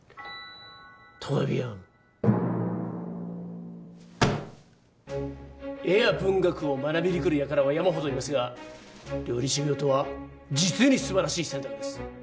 トレビアン絵や文学を学びに来る輩は山ほどいますが料理修業とは実に素晴らしい選択です